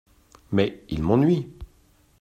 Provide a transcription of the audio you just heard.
Mais il m’ennuie !